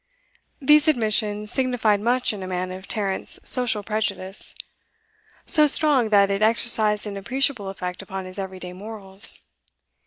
These admissions signified much in a man of Tarrant's social prejudice so strong that it exercised an appreciable effect upon his every day morals.